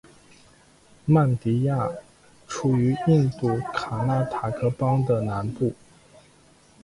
曼迪亚处于印度卡纳塔克邦的南部。